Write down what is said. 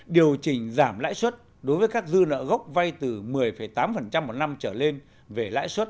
điều chỉnh giảm lãi xuất đối với các dư nợ gốc vay từ một mươi tám một năm trở lên về lãi xuất tám mươi